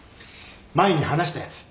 前に話したやつ。